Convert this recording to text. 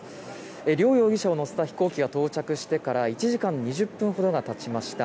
両容疑者を乗せた飛行機が到着してから１時間２０分ほどがたちました。